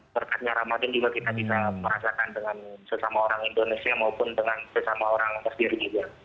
berkatnya ramadan juga kita bisa merasakan dengan sesama orang indonesia maupun dengan sesama orang sendiri juga